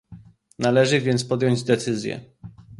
Należy więc podjąć decyzję